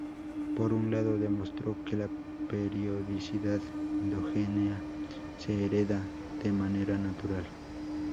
Por un lado demostró que la periodicidad endógena se hereda de manera natural.